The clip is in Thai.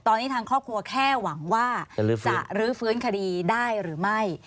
ตอนนี้ทางครอบครัวแค่หวังว่าจะรื้อฟื้นคดีได้หรือไม่